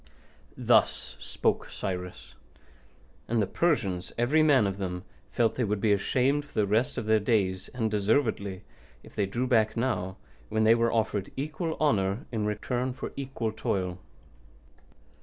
Thus spoke Cyrus; and the Persians, every man of them, felt they would be ashamed for the rest of their days, and deservedly, if they drew back now, when they were offered equal honour in return for equal toil.